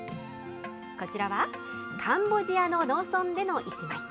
こちらは、カンボジアの農村での一枚。